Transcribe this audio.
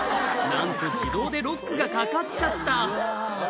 なんと自動でロックがかかっちゃった